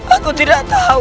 aku tidak tahu